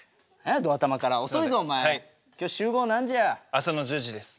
朝の１０時です。